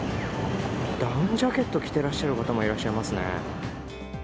ダウンジャケット着ていらっしゃる方もいらっしゃいますね。